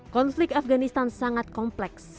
konflik afganistan sangat kompleks